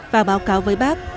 và báo cáo với bác